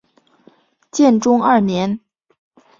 建中二年。